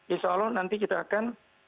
insya allah nanti kita akan